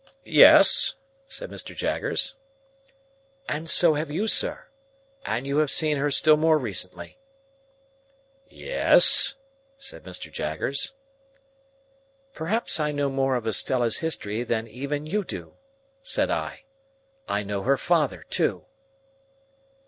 "Yes?" said Mr. Jaggers. "And so have you, sir. And you have seen her still more recently." "Yes?" said Mr. Jaggers. "Perhaps I know more of Estella's history than even you do," said I. "I know her father too."